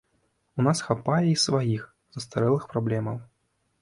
У нас хапае і сваіх, застарэлых праблемаў.